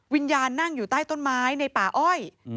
วิญญาณนั่งอยู่ใต้ต้นไม้ในป่าอ้อย